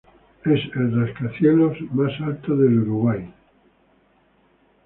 Es el rascacielos más alto del Uruguay.